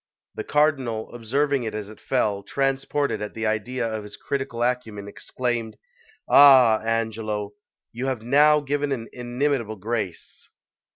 The Cardinal observing it as it fell, transported at the idea of his critical acumen, exclaimed "Ah, Angelo, you have now given an inimitable grace!"